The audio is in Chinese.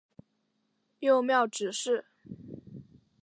友庙执事。